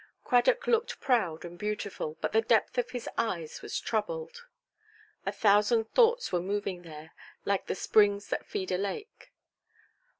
Cradock looked proud and beautiful. But the depth of his eyes was troubled. A thousand thoughts were moving there, like the springs that feed a lake.